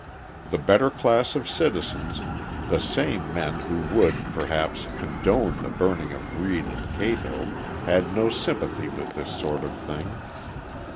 The better class of citizens, the same men who would, perhaps, condone the burning of Reed and Cato, had no sympathy with this sort of thing.